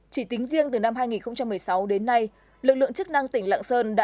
chỉ tính riêng từ năm hai nghìn một mươi sáu đến nay lực lượng chức năng tỉnh lạng sơn đã